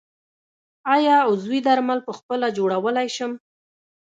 آیا عضوي درمل پخپله جوړولی شم؟